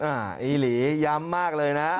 อีหลีย้ำมากเลยนะ